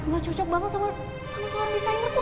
gak cocok banget sama seorang desainer tuh